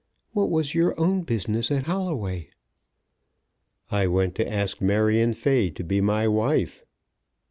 What was your own business at Holloway?" "I went to ask Marion Fay to be my wife."